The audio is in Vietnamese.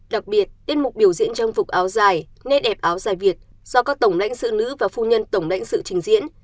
đặc biệt tiết mục biểu diễn trang phục áo dài nét đẹp áo dài việt do các tổng lãnh sự nữ và phu nhân tổng lãnh sự trình diễn